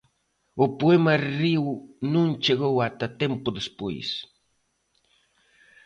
O poema río non chegou ata tempo despois.